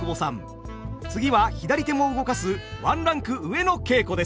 次は左手も動かすワンランク上の稽古です。